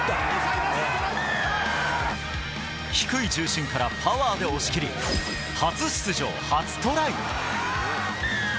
低い重心からパワーで押し切り、初出場、初トライ。